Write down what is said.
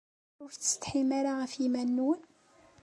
Ur tessetḥim ara ɣef yiman-nwen?